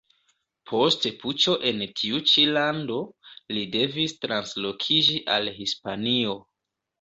Post puĉo en tiu ĉi lando, li devis translokiĝi al Hispanio.